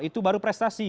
itu baru prestasi